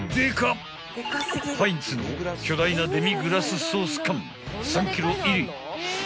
［ハインツの巨大なデミグラスソース缶３ｋｇ入り］